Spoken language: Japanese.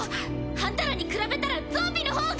あんたらに比べたらゾンビの方が。